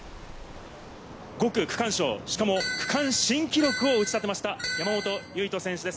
５区区間賞、しかも区間新記録を打ち立てました、山本唯翔選手です。